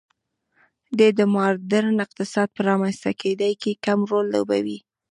دې د ماډرن اقتصاد په رامنځته کېدا کې کم رول لوبولی.